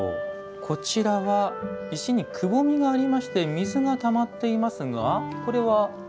こちらは石にくぼみがありまして水が溜まっていますがこれは？